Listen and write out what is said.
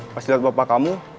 pas liat bapak kamu